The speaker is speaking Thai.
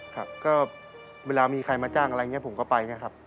ครับก็เวลามีใครมาจ้างอะไรอย่างนี้ผมก็ไปนะครับ